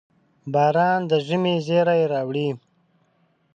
• باران د ژمي زېری راوړي.